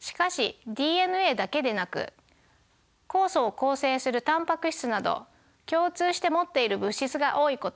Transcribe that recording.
しかしＤＮＡだけでなく酵素を構成するタンパク質など共通して持っている物質が多いこと。